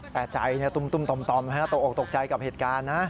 แต่ใจตุ้มต่อมตกออกตกใจกับเหตุการณ์นะ